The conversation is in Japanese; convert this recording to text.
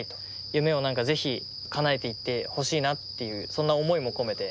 夢をぜひかなえていってほしいなっていうそんな思いも込めて。